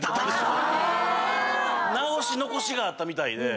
直し残しがあったみたいで。